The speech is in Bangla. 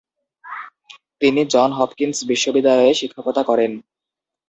তিনি জনস হপকিন্স বিশ্ববিদ্যালয়ে শিক্ষকতা করেন।